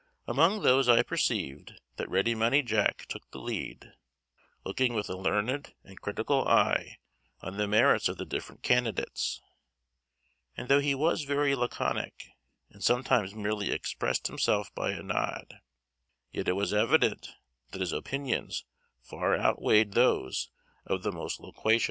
Among those I perceived that Ready Money Jack took the lead, looking with a learned and critical eye on the merits of the different candidates; and though he was very laconic, and sometimes merely expressed himself by a nod, yet it was evident that his opinions far outweighed those of the most loquacious.